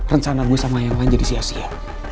rencana gue sama yang lain jadi sia sia